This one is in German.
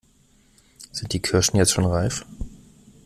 Sind die Kirschen jetzt schon reif?